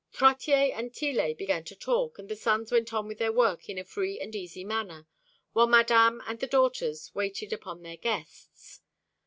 Trottier and Tillet began to talk, and the sons went on with their work in a free and easy manner, while Madame and the daughters waited upon their guests.